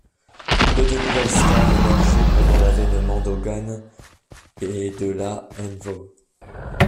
Peu de nouvelles stars émergeaient pendant l'avènement d'Hogan et de la nWo.